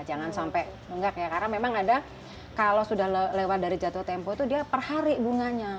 jangan sampai enggak kayak karena memang ada kalau sudah lewat dari jatuh tempo itu dia per hari bunganya